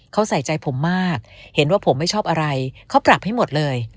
เขาใส่ใจผมมากเห็นว่าผมไม่ชอบอะไรเขาปรับให้หมดเลย